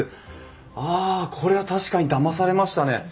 あこれは確かにだまされましたね。